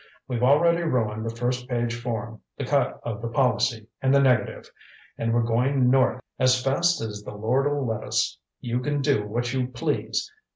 We've already ruined the first page form, the cut of the policy, and the negative. And we're going north as fast as the Lord'll let us. You can do what you please.